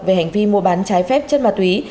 về hành vi mua bán trái phép chất ma túy